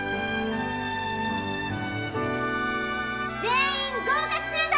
全員合格するぞ！